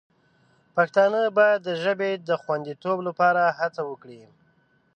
پښتانه باید د ژبې د خوندیتوب لپاره هڅه وکړي.